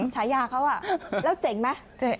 ใช้ยาเขาอ่ะแล้วเจ๋งไหม